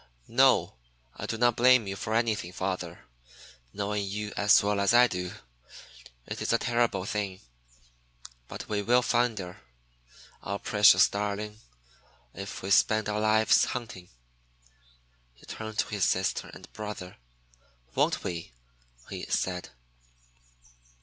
"No, I do not blame you for anything, father, knowing you as well as I do. It is a terrible thing, but we will find her, our precious darling, if we spend our lives hunting." He turned to his sister and brother. "Won't we?" he said.